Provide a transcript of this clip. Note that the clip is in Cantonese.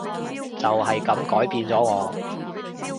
就係噉改變咗我